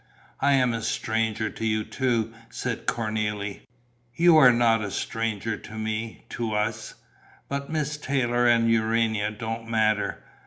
"I am a stranger to you too!" said Cornélie. "You are not a stranger to me, to us. But Miss Taylor and Urania don't matter.